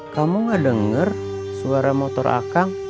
kamu gak denger suara motor akang